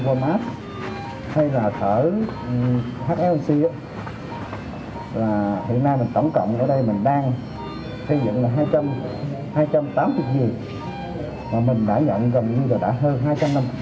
và mình đã nhận gần như là đã hơn hai trăm năm mươi viên bệnh nhân rồi